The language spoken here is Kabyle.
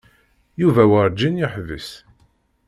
Yuba werǧin yeḥbis.